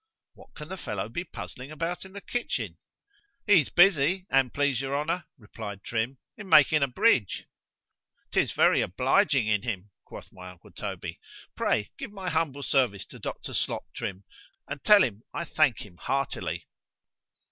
——What can the fellow be puzzling about in the kitchen!—He is busy, an' please your honour, replied Trim, in making a bridge.——'Tis very obliging in him, quoth my uncle Toby:——pray, give my humble service to Dr. Slop, Trim, and tell him I thank him heartily.